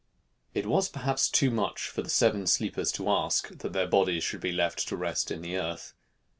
It was perhaps too much for the Seven Sleepers to ask, that their bodies should be left to rest in earth.